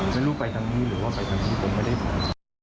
ไม่รู้ไปทางนี้หรือว่าไปทางนี้ผมไม่ได้ไป